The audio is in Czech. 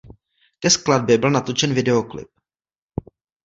Ke skladbě byl natočen videoklip.